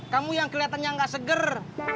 kamu yang keliatannya gak seger